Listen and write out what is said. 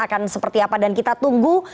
akan seperti apa dan kita tunggu